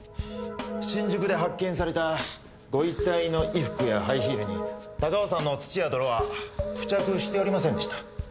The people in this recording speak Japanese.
新宿で発見されたご遺体の衣服やハイヒールに高尾山の土や泥は付着しておりませんでした。